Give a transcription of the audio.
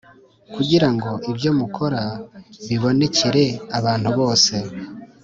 kugira ngo ibyo mukora bibonekere abantu bose